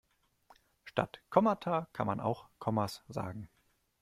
Statt Kommata kann man auch Kommas sagen.